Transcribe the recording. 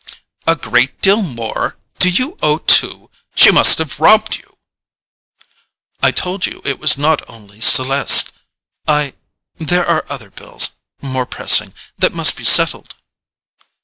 "A great deal more? Do you owe two? She must have robbed you!" "I told you it was not only Celeste. I—there are other bills—more pressing—that must be settled."